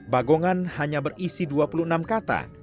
bagongan hanya berisi dua puluh enam kata